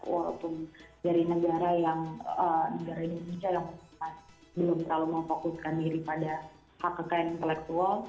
walaupun dari negara indonesia yang belum terlalu mau fokuskan diri pada hak hak yang kolektual